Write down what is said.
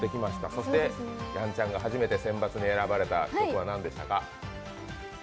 そして、やんちゃんが初めて選抜に選ばれた曲は何でしたか？